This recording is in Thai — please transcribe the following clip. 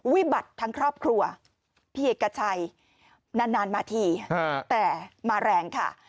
วิบัติทั้งครอบครัวพี่เอกชัยนานมาทีแต่มาแรงค่ะ